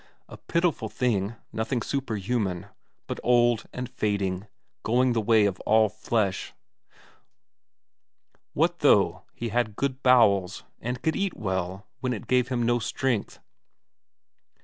A pitiful thing, nothing superhuman, but old and fading, going the way of all flesh. What though he had good bowels, and could eat well, when it gave him no strength?